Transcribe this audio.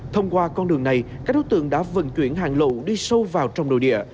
thông qua con đường này các đối tượng đã vận chuyển hàng lậu đi sâu vào trong nội địa